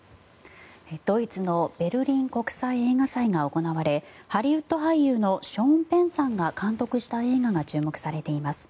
ドイツのベルリン国際映画祭が行われハリウッド俳優のショーン・ペンが監督した映画が注目されています。